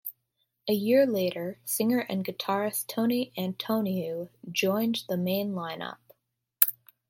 A year later singer and guitarist Tony Antoniou joined the main line up.